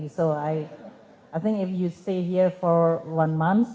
jadi saya pikir jika kamu tinggal di sini selama satu bulan